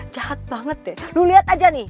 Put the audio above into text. jahat banget deh lu lihat aja nih